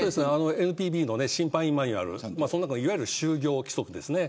ＮＰＢの審判員マニュアルにいわゆる就業規則ですね。